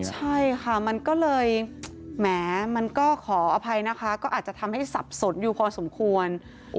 ใช่ค่ะมันก็เลยแหมมันก็ขออภัยนะคะก็อาจจะทำให้สับสนอยู่พอสมควร